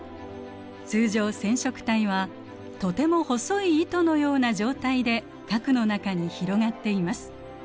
通常染色体はとても細い糸のような状態で核の中に広がっています。